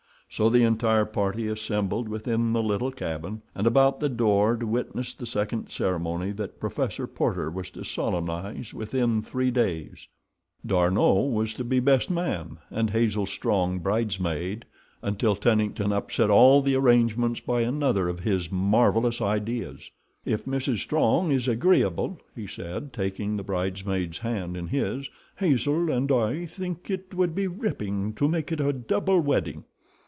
So the entire party assembled within the little cabin and about the door to witness the second ceremony that Professor Porter was to solemnize within three days. D'Arnot was to be best man, and Hazel Strong bridesmaid, until Tennington upset all the arrangements by another of his marvelous "ideas." "If Mrs. Strong is agreeable," he said, taking the bridesmaid's hand in his, "Hazel and I think it would be ripping to make it a double wedding."